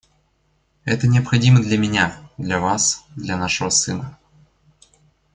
Это необходимо для меня, для вас, для нашего сына.